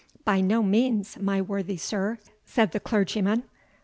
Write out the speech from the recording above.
"By no means, my worthy sir," said the clergyman.